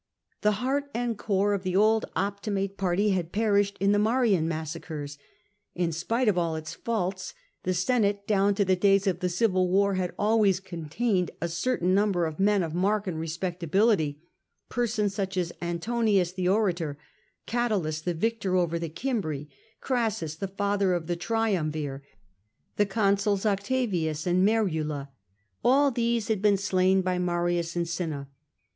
The heart and core of the old Optimate party had perished in the Marian massacres; in spite of all its faults, the Senate, down to the days of the civil war, had always contained a certain number of men of mark and respectability — persons such as Antonins the orator; Catulus, the victor over the Cimbri; Crassus, the father of the Triumvir ; the consuls Octavius and Merula. All these had been slain by Marius and Cinna.